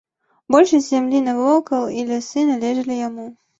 Большасць зямлі навокал і лясы належалі яму.